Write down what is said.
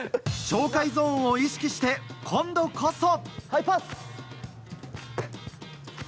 鳥海ゾーンを意識して今度こそ。